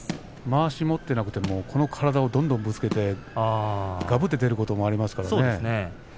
まわしを持ってなくてもこの体をどんどんぶつけてがぶって出ることもありますから。